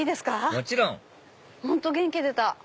もちろん！本当元気出た。